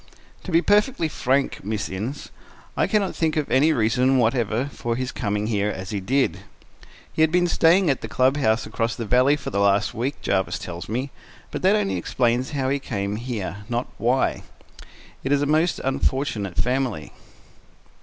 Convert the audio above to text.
"To be perfectly frank, Miss Innes, I can not think of any reason whatever for his coming here as he did. He had been staying at the club house across the valley for the last week, Jarvis tells me, but that only explains how he came here, not why. It is a most unfortunate family."